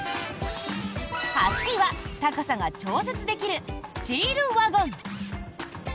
８位は、高さが調節できるスチールワゴン。